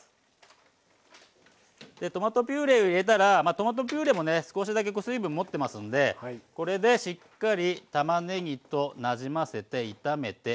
トマトピュレを入れたらトマトピュレも少しだけ水分持ってますんでこれでしっかりたまねぎとなじませて炒めて水分をとばすと。